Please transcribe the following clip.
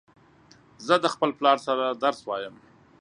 زه د خپل پلار سره درس وایم